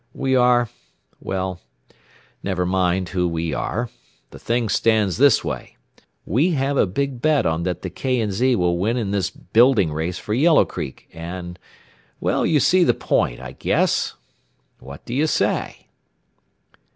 We are well, never mind who we are. The thing stands this way: We have a big bet on that the K. & Z. will win in this building race for Yellow Creek, and well, you see the point, I guess. What do you say?"